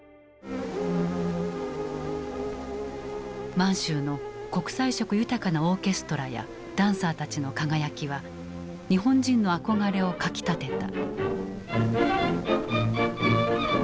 満州の国際色豊かなオーケストラやダンサーたちの輝きは日本人の憧れをかきたてた。